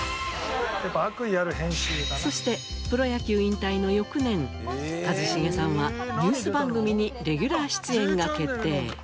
そしてプロ野球引退の翌年一茂さんはニュース番組にレギュラー出演が決定。